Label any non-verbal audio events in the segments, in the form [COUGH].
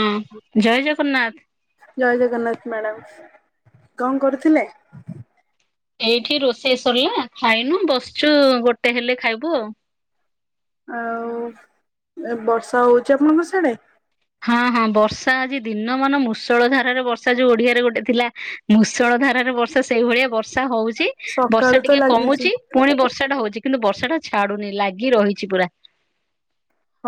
ହଁ ଜୟ ଜଗନ୍ନାଥ। ଜୟ ଜଗନ୍ନାଥ ମ୍ୟାଡ଼ାମ କଣ କରୁଥିଲେ? ଏଇଠି ରୋଷେଇ ସରିଲା ଖାଇନୁ ବସଛୁ ଗୋଟେ ହେଲେ ଖାଇବୁ ଆଉ। ଆଉ ଏ ବର୍ଷା ହଉଛି ଆପଣଙ୍କ ସାଡେ? ହଁ ହଁ ବର୍ଷା ଆଜି ଦିନ ମାନ ମୁୂଷଳ ଧାରାରେ ବର୍ଷା ଯୋଉ ଓଡିଆରେ ଗୋଟେ ଥିଲା ମୂଷଳ ଧାରାରେ ବର୍ଷା ସେଇଭଳିଆ ବର୍ଷା ହଉଛି ସକାଳୁ ବର୍ଷା ତ ଟିକେ ଲାଗିଛି କମୁଛି। ପୁଣି ବର୍ଷା ଟା ହଉଛି କିନ୍ତୁ ବର୍ଷା ଟା ଛାଡୁନି ଲାଗି ରହିଛି ପୁରା।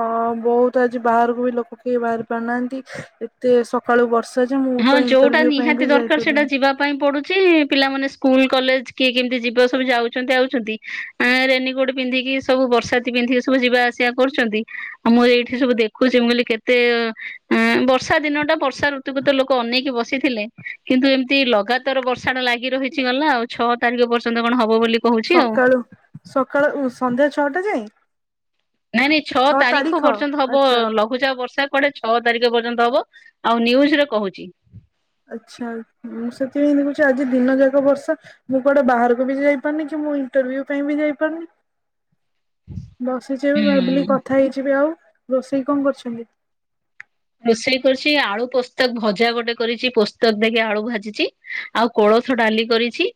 ହଁ ବହୁତ ଆଜି ବାହାରକୁ ବି ଲୋକ କେହି ବାହାରି ପାରୁନାହାନ୍ତି ଟିକେ ସକାଳୁ ବର୍ଷା ଯେ ମୁଁ ତ ଇଣ୍ଟରଭିୟୁ ପାଇଁ ବି ଯାଇପାରୁନି। ଥିପାଇଁ ପଡୁଛି ପିଲାମାନେ ସ୍କୁଲ କଲେଜ କିଏ କେମିତି ଯିବ ସବୁ ଯାଉଛନ୍ତି ଆଉଛନ୍ତି ଆ ରେନିକୋଟ ପିନ୍ଧିକି ସବୁ ବର୍ଷାତି ପିନ୍ଧି ସବୁ ଯିବା ଆସିବା କରୁଛନ୍ତି ଆଉ ମୁଁ ଏଇଠି ସବୁ ଦେଖୁଛି ମୁଁ କହିଲି କେତ ତେ ଅ ଆଁ ବର୍ଷା ଦିନ ଟା ବର୍ଷା ଋତୁଗତ ଲୋକ ଲୋକ ଅନେଇକି ବସିଥିଲେ କିନ୍ତୁ ଏମିତି ଲଗାତାର ବର୍ଷା ଟା ଲାଗି ରହିଛି ଗଲା ଆଉ। ଛଅ ତାରିଖ ପର୍ଯ୍ୟନ୍ତ କଣ ହବ ବୋଲି କହୁଛି ଆଉ ସକାଳୁ ସକାଳୁ ଉ ସନ୍ଧ୍ୟା ଛଅଟା ଯାଏ? ନାଇଁ ନାଇଁ ଛଅ ତାରିଖ ପର୍ଯ୍ୟନ୍ତ ହବ ଆଚ୍ଛା। ଲଗ ଲଘୁଚାପ ବର୍ଷା କୁଆଡେ ଛଅ ତାରିଖ ପର୍ଯ୍ୟନ୍ତ ହବ ଆଉ ନ୍ୟୁଜରେ କହୁଛି। ଆଛା ଇ ମୁଁ ସେଥିପାଇଁ ଦେଖୁଛି ଆଜି ଦିନ ଯାକ ବର୍ଷା ମୁଁ କୁଆଡେ ବାହାରକୁ ବି ଯାଇ ପାରୁନି କି ମୁଁ ଇଣ୍ଟରଭ୍ୟୁ ପାଇଁ ବି ଯାଇପାରୁନି। ବସିଛି ଏବେ ଭାବିଲି ହୁଁ। କଥା ହେଇଯିବି ଆଉ ରୋଷେଇ କଣ କରୁଛନ୍ତି? ରୋଷେଇ କରୁଛି ଆଳୁ ପୋସ୍ତକ ଭଜା ଗୋଟେ କରିଛି ପୋସ୍ତକ ଦେଖକି ଆଳୁ ଭାଜିଛି। ଆଉ କୋଳଥ ଡାଲି କରିଛି।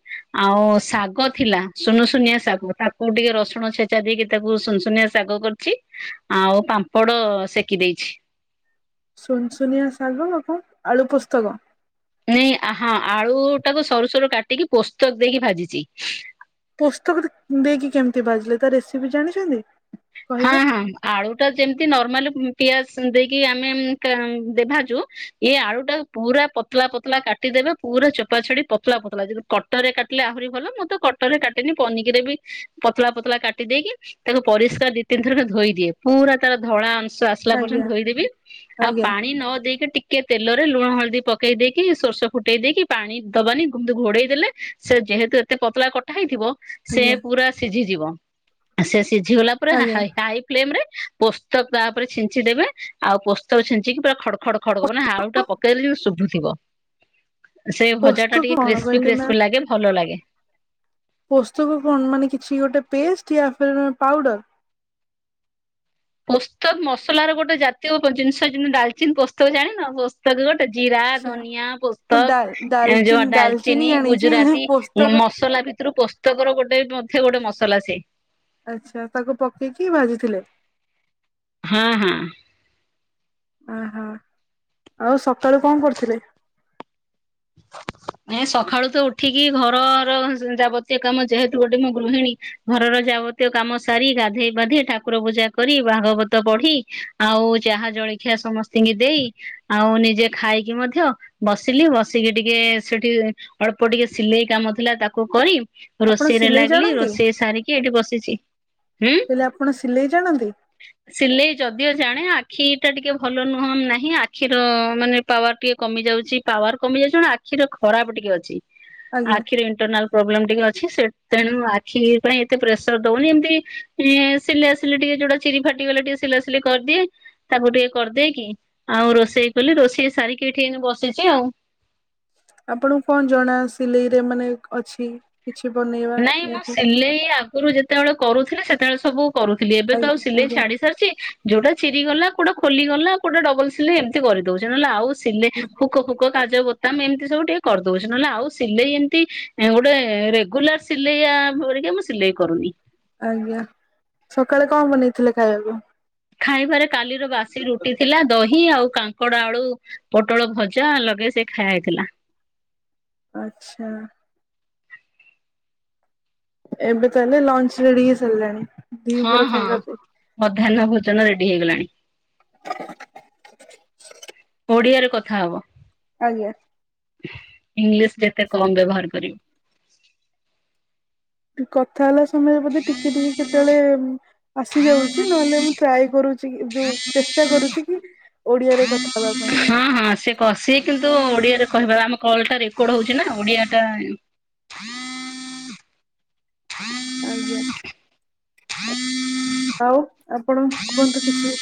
ଆଉ ଶାଗ ଥିଲା ସୁନୁ ସୁୁନିଆ ଶାଗ ତାକ କୁ ଟିକେ ରସଣ ଛେଚା ଦେଇକି ତାକୁ ସୁନସୁନିଆ ଶାଗ କରିଛି। ଆଉ ପାମ୍ପଡ ସେକି ଦେଇଛି। ସୁନସୁନିଆ ଶାଗ କଣ ଆଳୁ ପୁସ୍ତକ। ନାଇଁ ଆ ହଁ ଆଳୁ ଟାକୁ ସରୁ ସରୁ କାଟିକି ପୋସ୍ତକ ଦେଇକି ଭାଜିଛି। ପୋସ୍ତକ ଟ ଦେଇକି କେମିତି ଦ୍ଭାଜିଲେ ତା ରେସିପି ଜାଣିଛନ୍ତି ହଁ କହିବେ? ହଁ ଆଳୁ ଟା ଯେମିତି ନର୍ମାଲ ପିଆଜ ଦେଇକି ଆମେ ଉଁ କା ଦେଦ୍ଭାଜୁଏଇ ଆଳୁ ଟାକୁ ପୁରା ପତଲା ପତଲା କାଟିଦେବେ ପୁରା ଚୋପା ଛାଡି ପତଳା ପତଳା ଯେମିତି କଟରେ କାଟିଲେ ଆହୁରି ଭଲ ମୁଁତ କଟ କଟରେ କାଟେନି ପନିକିରେ ବି ପତଳା ପତଳା କାଟି ଦେଇେକି ତାକୁ ପରିଷ୍କାର ଦି ତିନିଥର କେ ଧୋଇ ଦିଏ ପୁରା ତାର ଧଳା ଅଂଶ ଆସ ସିଲା ଆଜ୍ଞା ପର୍ଯ୍ୟନ୍ତ ଧୋଇଦେବି ଆଉ ଆଜ୍ଞା ପାଣି ନ ଦେଇକି ଟିକ୍ ଟିକେ ତେଲରେ ଲୁଣ ହଳଦୀ ପକେଇ ଦେଇ କି ସୋରିଷ ଫୁଟେଇ କି ପାଣି ଦବାନି ଘୋଡେଇ ଦେଲେ। ସେ ଯେହେତୁ ଏତେ ପତଳା କଟା ହେଇଥିବ। ସେ ଆଜ୍ଞା ପୁରା ସିଝିଯିବ, ସେ ସିଝିଗଲା ପରେ ହା ଆଜ୍ଞା। ହାଇ ଫ୍ଲେମ ରେ ପୋସ୍ତକ ତା ଉପରେ ଛିଞ୍ଚି ଦେବେ ଆଉ ପୋସ୍ତକ ଛିଞ୍ଚିକି ପୁରା ଖଡ଼ ଖଡ ଖଡ଼ ହବ ନା ଆଳୁ ଟା ପୋସ୍ତକ ପକେଇଲେ ଯେମିତି ଶୁଭୁଥିବ। ସେ ଭଜା ଟା ପୋସ୍ତକ ଟିକେ କଣ କ୍ରିସ୍ପି କହିଲେ ମ୍ୟାମ୍? କ୍ରିସ୍ପି ଲାଗେ ଭଲ ଲାଗେ। ପୋସ୍ତକ କଣ ମାନେ କିଛି ଗୋଟେ ପେଷ୍ଟା ୟା ଫିର ପାଉଡର। ପୋସ୍ତକ ମସଲାର ଗୋଟେ ଜାତୀୟ ଜିନିଷ ଯେମତି ଡାଲଚିନ୍ ପୋସ୍ତକ ଜାଣିନ ପୋ ପସ୍ତକ ଗୋଟେ ଜିରା ଆଚ୍ଛା ଧନିଆ ମୁଁ ଡାଲ ପୋସ୍ତକ ଏ ଡାଲଚିନି ଯୋଉ ଡାଲଚିନି ଜାଣିଛି ହେଲେ ଗୁଜୁରାତି। ପୋସ୍ତକ ମସଲା ଭିତରୁ ପୋସ୍ତକର ଗୋଟେ ମଧ୍ୟ ଗୋଟେ ମସଲା ସେ। ଆଛା, ତାକୁ ପକେଇକି ଭାଜିଥିଲେ। ହୁଁ ହୁଁ। ଓହୋ ଆଉ ସକାଳେ କଁ କରିଥିଲେ? [INAUDIBLE] ଏଁ ସକାଳୁ ତ ଉଠିକି ଘରର ଯାବତୀୟ କାମ ଯେହେତୁ ଗୋଟେ ମୋ ଗୃହିଣୀ। ଘରର ଯାବତୀୟ କାମ ସାରି ଗାଧେଇ ପାଧେଇ ଠାକୁର ପୂଜା କରି ଭାଗବତ ପଢି। ଆଉ ଚାହା ଜଳଖିଆ ସମ ସ୍ତିଙ୍କି ଦେଇ ଆଉ ନିଜେ ଖାଇକି ମଧ୍ୟ ବସିଲି, ବସ ଟିକେ ଟିକେ ସେଠି ଅଳ୍ପ ଟିକେ ସିଲେଇ କାମ ଥିଲା ତାକୁ କରି। ଆପଣ ରୋଷେଇ ରେ ସିଲେଇ ଲାଗିଲି ଜାଣନ୍ତି? ରୋଷେଇ ସାରିକି ଏଠି ବସିଛି। ଉଁ ମୁଁ କହିଲି ଆପଣ ସିଲେଇ ଜାଣନ୍ତି? ସିଲେଇ ଯଦିଓ ଜାଣେ ଆଖିଟା ଟିକେ ଭଲ ନୁହଁ ନାହିଁ ଆଖିର ମାନେ ପାୱାର ଟିକେ କମି ଯାଉଛି ପାୱାର କମି ଯାଉଛି କଣ ଆଖିର ଖରାପ ଟିକେ ଅଛି ଆଜ୍ଞା। ଆଖିର ଇଣ୍ଟରନାଲ। ପ୍ରୋବ୍ଲେମ ଟିକେ ଅଛି ସେ ତେଣୁ ଆଖି ପାଇଁ ଏତେ ପ୍ରେସର ଦଉନି ଏମିତି ଏଁ। ସିଲା ସିଲି ଟିକେ ଯୋଟା ଚିରି ଫାଟିଗଲା ଟିକେ ସିଲା ସିଲି କରିଦିଏ। ତାକୁ ଟିକେ କରିଦେଇକି ଆଉ ରୋଷେଇ କଲି ରୋଷେଇ ସାରିକି ଏଠି ଏଇନେ ବସିଛି ଆଉ। ଆପଣଙ୍କୁ କଣ ଜଣା ସିଲେଇରେ ମାନେ ଅଛି। କିଛି ବନେଇବା ନାଇଁ ମୁଁ ୟାକୁ? ସିଲେଇ ଆଗ ଆଗୁରୁ ଯେତେବେଳେ କରୁଥିଲେ ସେତେବେଳେ ସବୁ କରୁଥିଲି ଏବେ ତ ଆଉ ଆଜ୍ଞା ସିଲେଇ ଆଜ୍ଞା ଛାଡି ସାରିଛି। ଯୋଉଟା ଚିରିଗଲା କୋଉଟା ଖୋଲି ଗଲା କୋଉଟା ଡବଲ ସିଲେଇ ଏମିତି କରିଦଉଛି ନହେଲେ ଆଉ ସିଲେ ହୁକ ଫୁ କ କାଜ ବୋତାମ ଏମିତି ସବୁ ଟିକେ କରିଦଉଛି ନହେଲେ ଆଉ ସିଲେଇ ଏମିତି ଗୋଟେ ରେଗୁଲାର। ସିଲେଇଆ ପରିକା ମୁଁ ସିଲେଇ କରୁନି। ଆଜ୍ଞା, ସକାଳେ କଣ ବନେଇଥିଲେ ଖାଇବାକୁ। ଖାଇବାରେ କାଲିର ବାସି ରୁଟି ଥିଲା ଦହି ଆଉ କା କାଙ୍କଡ ଆଳୁ ପୋଟଳ ଭଜା ଲଗେଇ ସେ ଖାଇଆ ହେଇଥିଲା। ଆଛା। ଏବେ ତାହେଲେ ଲଞ୍ଚ ରେଡି ହେଇ ସାରିଲାଣି। ହଁ ଦିପହର ହଁ ଖାଇବା ପାଇଁ। ମଧ୍ୟାହ୍ନ ଭୋଜନ ରେଡି ହେଇଗଲାଣି। ଓଡିଆରେ କଥା ହବ। ଆଜ୍ଞା। ଇଂଲିଶ ଯେତେ କମ ବ୍ୟବହାର କରିବ। କଥା ହେଲା ସମୟରେ ବୋଧେ ଟିକେ ଟିକେ କେତେବେଳେ ଆସି ଯାଉଛି, ନହେଲେ ମୁଁ ଟ୍ରାଏ କରୁଛି। ଚି ଯୋଉ ଚେଷ୍ଟା କରୁଛି କି ଓଡିଆରେ କଥା ହେବା ପାଇଁ। ହଁ ହଁ ସେ କ ସେ କିନ୍ତୁ ଓଡିଆରେ କହିବା ଆମ କଲ ଟା ରେକର୍ଡ ହଉଛି ନା ଓଡିଆ ଟା। [INAUDIBLE] ଆଜ୍ଞା। ଆଉ ଆପଣ କୁହନ୍ତୁ କିଛି?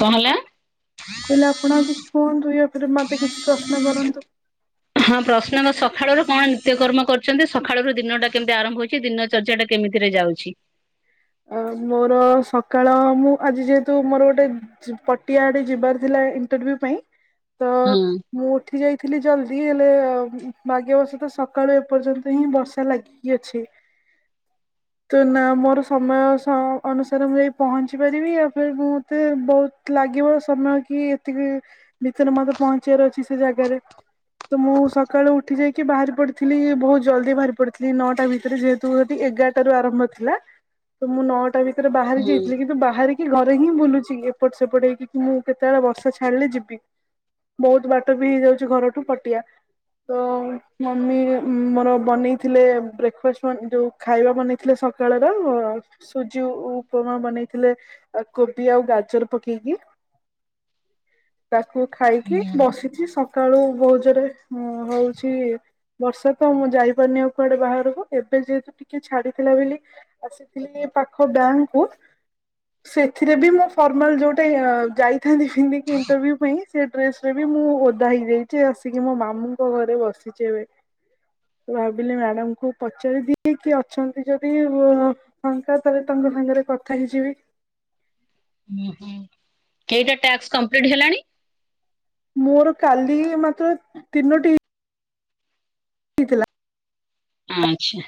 କଣ ହେଲା? ହେଲେ ଆପଣ ଆଉ କିଛି କୁହନ୍ତୁ ଇଆପରେ ମତେ କିଛି ପ୍ରଶ୍ନ କରନ୍ତୁ। ହଁ ପ୍ରଶ୍ନତ ସଖାଳର କଣ ନିତ୍ୟକର୍ମ କର ସେମତି ସଖାଳରୁ ଦିନଟା କେମତି ଆରମ୍ଭ ହୋଇଚି ଦିନ ଚର୍ଯ୍ୟା ଟା କେମିତିରେ ଯାଉଛି? ଅ ମୋର ସକାଳ ମୁଁ ଆଜି ଯେହେତୁ ମୋର ଗୋଟେ। ଚୁ ପଟିଆ ଆଡେ ଯିବାର ଥିଲା ଇଣ୍ଟରଭ୍ୟୁ ପାଇଁ ତ। ହୁଁ। ମୁଁ ଉଠି ଯାଇଥିଲି ଜଲ୍ଦି ହେଲେ ଭାଗ୍ୟବଶତ ସକାଳୁ ଏପର୍ଯ୍ୟନ୍ତ ହିଁ ବର୍ଷା ଲାଗି। ଇ ଅଛି ତ ନା ମୋର। ସମୟ ସ ଅନୁସାରେ ମୁଁ ଯାଇ ପହଞ୍ଚି ପାରିବି ଆଉ ଫେରେ ମୁଁତେ ବହୁତ ଲାଗିବ ସମୟ କି। ତିିକେ ଭିତେରେ ମତେ ପହଞ୍ଚିବାର ଅଛି ସେ ଜାଗାରେ। ତ ମୁଁ ସକାଳୁ ଉଠି ଯାଇକି ବାହାରି ପଡିଥିଲି ବହୁତ ଜଲ୍ଦି ବାହାରି ପଡିଥିଲି ନଅଟା ଭିତରେ ଯେହେତୁ ହେଠି ଏଗାର। ଟାରୁ ଆରମ୍ଭ ଥିଲା ତ ମୁଁ ନଅଟା ଭିତରେ ବାହାରି ହୁଁ ଯାଇଥିଲି କିନ୍ତୁ ବାହାରି। କି ଘରେ ହିଁ ବୁଲୁଛି ଏପଟ ସେପଟ ହେଇକି କି ମୁଁ କେତେବେଳେ ବର୍ଷ ଛାଡିଲେ ଯିବି। ବହୁତ ବାଟ ବି ହେଇଯାଉଛି ଘରଠୁ ପଟିଆ। ତ ମମି ମର ବନେଇଥିଲେ ବ୍ରେକ୍ଫାଷ୍ଟ୍ ମଁ ଯୋଉ। ଖାଇବା ବନେଇଥିଲେ ସକାଳର। ସୁଜିକୁ ଉ ଉପମା ବନେଇଥିଲେ କୋବି ଆଉ ଗାଜର ପକେଇକି। ତାକୁ ଖାଇକି ବସିଛି ସ କାଳୁ ବହୁତ୍ ଜୋରେ ହଁ ହଉଛି। ବର୍ଷା ତ ମୁଁ ଯାଇପାରୁନି ଆଉ କୁଆଡେ ବାହାରୁକୁ ଏବେ ଯେହେତୁ ଟିକେ ଛାଡିଥିଲା ବୋଲି ଆସି। ହେଲେ ପାଖ ବ୍ୟାଙ୍କ୍ କୁ। ସେଥିରେ ବି ମୁଁ ଫର୍ମାଲ୍ ଯୋଉଟା ଇଅ ଯାଇଥାନ୍ତି ପିନ୍ଧିକି ଇଣ୍ଟରଭ୍ୟୁ ପାଇଁ ସେ ଡ୍ରେସ୍। ଫିର୍ ବି ମୁଁ ଓଦା ହେଇଯାଇଚି ଆସିକି ମୋ ମାମୁଁଙ୍କ ଘରେ ବସିଚି ଏବେ। ମୁଁ ଭାବିଲି ମ୍ୟାଡାମକୁ ପଚାରି ଦିଏ କି ଅଛନ୍ତି ଯଦି ମୁଁ। ଫାଙ୍କା ତାହେଲେ ତମ ସାଙ୍ଗରେ କଥା ହେଇଯିବି। ହୁଁ ହଁ କେଇଟା ଟ୍ୟାକ୍ସ କମ୍ପ୍ଲିଟ ହେଲାଣି? ମୋର କାଲି ମାତ୍ର ତିନୋଟି। ହେଇଥିଲା। ଆଚ୍ଛା।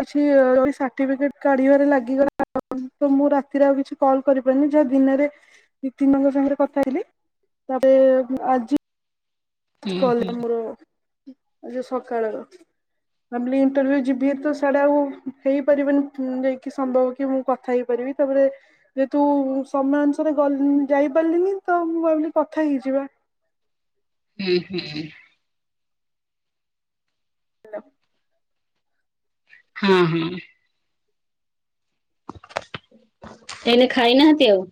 କିଛି ରହି ସାଠିଫିକେଟ କାଢିବାରେ ଲାଗିଗଲା ମୁଁ ରାତିରେ ଆଉ କିଛି। କଲ କରିପାରିନି ଯାହା ଦିନରେ ଦି ତିନ ଜଣଙ୍କ ସାଙ୍ଗରେ କଥା ହେଇଥିଲି ତାପରେ ଉଁ ଆଜି। ହୁଁ ହୁଁ। କଲେ ମୋର ଆଜି ସକାଳର। ଭାବିଲି ଇଣ୍ଟର୍ଭିୟୁ ଯିବି ତ ସେଡା ଆଉ ହେଇପାରିବନି ଯାଇକି ସମ୍ଭବ କି ମୁଁ କଥା ହେଇପାରିବି। ତାପରେ ଯେହେତୁ ସମୟ ଅନୁସାରେ ଗଲ୍ ଯାଇପାରିଲିନି ତ ମୁଁ ଭାବିଲି କଥା ହେଇଯିବା। ହୁଁ ହୁଁ। ହେଲୋ। ହଁ ହଁ। ଏଇନେ ଖାଇନାହାନ୍ତି ଆଉ?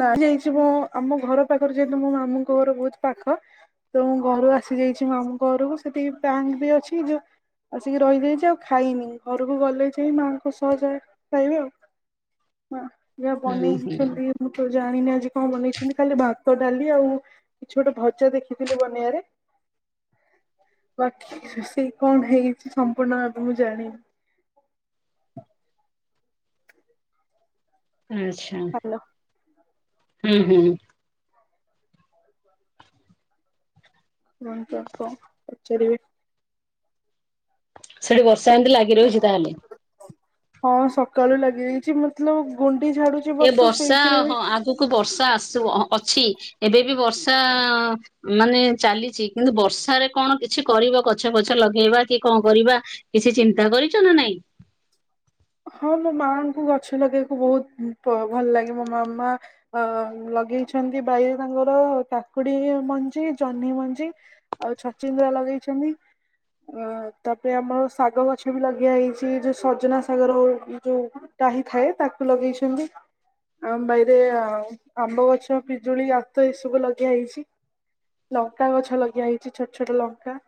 ନାହିଁ ଯାଇଛି ମୁଁ ଆମ ଘର ପାଖରୁ ଯେହତୁ ମୋ ମାମୁଙ୍କ ଘର ବହୁତ ପାଖ। ତ ମୁଁ ଘରୁ ଆସିଯାଇଛି ମାମୁଁଙ୍କ ଘରୁକୁ ସେଠିକି ବ୍ୟାଙ୍କ ବି ଅଛି ଯୋଉ। ଆସିକି ରହିଯାଇଛି ଆଉ ଖାଇନି ଘରୁକୁ ଗଲେ ଯାଇ ମାଆଙ୍କୁ ସହଜା ଖାଇବି ଆଉ। ମା ଯାହା ହୁଁ ହୁଁ। ବନେଇଛନ୍ତି ମୁଁ ତ ଜାଣିନି ଆଜି କଣ ବନେଇଛନ୍ତି ଖାଲି ଭା ଭାତ ଡାଲି ଆଉ କିଛି ଗୋଟେ ଭଜା ଦେଖିଥିଲି ବନେଇଯାରେ। ବାକି ରୋଷେଇ କଣ ହେଇଛି ସମ୍ପୂର୍ଣ ଆବେ ମୁଁ ଜାଣିନି। ଆଚ୍ଛା ହାଲୋ ହୁଁ ହୁଁ। [UNINTELLIGIBLE] ପଚାରିବି। ସେଆଡେ ବର୍ଷା ଏମତି ଲାଗି ରହୁଛି ତାହେଲେ? ହଁ ସକାଳୁ ଲାଗିଯାଇଛି ମତଲବ୍ ଗୁଣ୍ଡି ଝାଡୁଛି ବର୍ଷା ସେଇଥିରେ ବି। କୁ ବର୍ଷା ଆସୁ ଅ ଅଛି ଏବେ ବି ବର୍ଷା ମାନେ ଚାଲିଛି କିନ୍ତୁ ବର୍ଷାରେ କଣ କିଛି କରିବ ଗଛ ପଛ ଲଗେଇବା କି କଣ କରିବା। କିଛି ଚିନ୍ତା କରିଛ ନା ନାଇଁ? ହଁ ମୋ ମାଆଙ୍କୁ ଗଛ ଲଗେଇବାକୁ ବହୁତ ବ ଭଲ ଲାଗେ ମୋ ମାମା ଅ ଲଗେଇଛନ୍ତି ବାଇରେ ତାଙ୍କର କାକୁଡି ମଞ୍ଜି, ଜହ୍ନି ମଞ୍ଜି। ଆଉ ଛଚିନ୍ଦ୍ରା ଲଗେଇଛନ୍ତି। ଅ ତାପରେ ଆମର ଶାଗ ଗଛ ବି ଲାଗେଇଆ ହେଇଛି ଯୋଉ ସଜନା ସାଗର ଯୋଉ ଡାହି ଥାଏ ତାକୁ ଲଗେଇଛନ୍ତି। ଆମ ବାଇରେ ଆଉ ଆମ୍ବ ଗଛ, ପିଜୁଳି, ଆତ ଏଇ ସବୁ ଲଗା ହେଇଛି। ଲଙ୍କା ଗଛ ଲଗେଇଆ ହେଇଛି ଛୋଟ ଛୋଟ ଲଙ୍କା।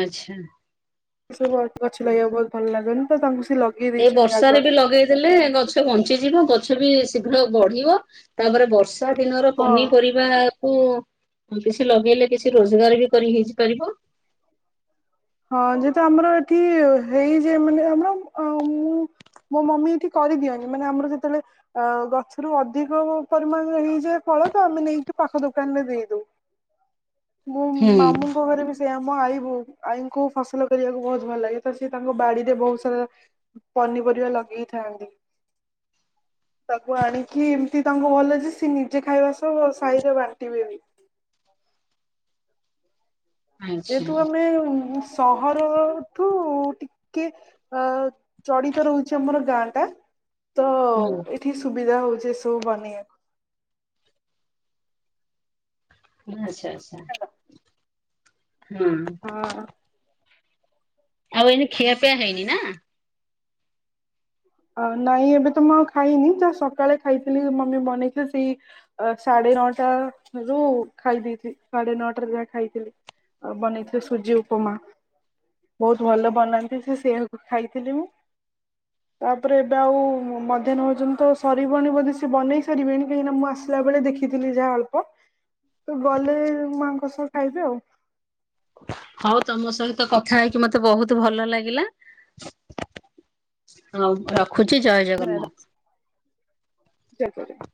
ଆଚ୍ଛା। ସେ ସବୁ ଗଛ ଲଗେଇବାକୁ ବହୁତ ଭଲ ଲାଗେନି ତ ତାଙ୍କୁ ସେ ଲ ଏ ବର୍ଷାରେ ବି ଲଗେଇଦେଲେ ଗଛ ବଞ୍ଚିଯିବ ଗଛ ବି ଶୀଘ୍ର ବଢିବ ତାପରେ ବର ର୍ଷା ଦିନର ହଁ ପନିପରିବା ବା କୁ କିଛି ଲଗେଇଲେ କିଛି ରୋଜଗାର ବି କରି ହେଇ ଜି ପାରିବ। ହଁ ଯେହେତୁ ଆମର ଏଠି ହେଇଯାଏ ମାନେ ଆମର ଆଉ ମୁଁ ମୋ ମମ୍ମୀ ଏଠି କରିଦିଅନି ମାନେ ଆମର ଯେତେବେଳେ ଆ ଗଛରୁ ଅଧିକ ପରିମାଣ ହେଇଯାଏ ଫଳ ତ ଆମେ ନେଇକି ପାଖ ଦୋକାନରେ ଦେଇଦଉ। ମୁଁ ହୁଁ। ମାମୁଁ ଙ୍କ ଘରେ ବି ସେଇଆ ମୋ ଆଈ ବୋଉ। ଆଈଙ୍କୁ ଫସଲ କରିବାକୁ ବହୁତ ଭଲ ଲାଗେ ତ ସିଏ ତାଙ୍କ ବାଡିରେ ବହୁତ ସାରା ପନିପରିବା ଲଗେଇଥାନ୍ତି। ତାକୁ ଆଣିକି ଏମିତି ତାଙ୍କୁ ଭଲ ଯେ ସିଏ ନିଜେ ଖାଇବା ସହ ସାହିରେ ବାଣ୍ଟି ବି ଦିଅନ୍ତି। ଆଚ୍ଛା ଯେହେତୁ ଆମେ ସହର ଠୁ ଟିକେ ଆ ଚଡିତ ରହୁଛି ଆମର ଗାଁ ଟା। ତ ହୁଁ ଏଇଠି ସୁବିଧା ହଉଛି ଏସବୁ ବନେଇବା କୁ ଆଚ୍ଛା ଆଚ୍ଛା ହୁଁ। ହଁ। ଆଉ ଏଇନେ ଖିଆପିଆ ହେଇନି ନା? ଆ ନାଇଁ ଏବେ ତ ମୁଁ ଆଉ ଖାଇନି ଯାହା ସକାଳେ ଖାଇଥିଲି ମମ୍ମୀ ବନେଇଥିଲେ ସେଇ ଅ ସାଢେ ନଅଟା ରୁ ଖାଇ ଦେଇଥି ସାଢେ ନଅଟାରେ ଯାହା ଖାଇଥିଲି। ଆଉ ବନେଇଥିଲେ ସୁଜି ଉପମା। ବହୁତ ଭଲ ବନାନ୍ତି ସେ ସେଇଆକୁ ଖାଇଥିଲି ମୁଁ। ତାପରେ ଏବେ ଆଉ ମଧ୍ୟାହ୍ନ ଭୋଜନ ତ ସରିବଣି ବୋଧେ ସେ ବନେଇ ସାରିବେଣି କାହିଁକି ନା ମୁଁ ଆସି ଆସିଲା ବେଳେ ଦେଖିଥିଲି ଯାହା ଅଳ୍ପ ତ ଗଲେ ମାଆ ଙ୍କ ସହ ଖାଇବି ଆଉ। ହଉ ତମ ସହିତ କଥା ହେଇକି ମତେ ବହୁତ ଭଲ ଲାଗିଲା। ହଉ ରଖୁଛି ଜୟ ଜଗନ୍ନାଥ। [UNINTELLIGIBLE]